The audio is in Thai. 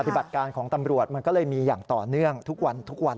ปฏิบัติการของตำรวจมันก็เลยมีอย่างต่อเนื่องทุกวันทุกวัน